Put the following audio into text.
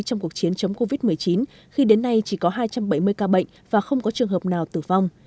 trong cuộc chiến chống covid một mươi chín khi đến nay chỉ có hai trăm bảy mươi ca bệnh và không có trường hợp nào tử vong